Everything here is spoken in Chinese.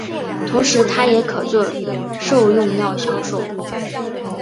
同时它也可作兽用药销售。